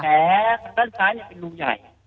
ทางด้านซ้ายเป็นรูใหญ่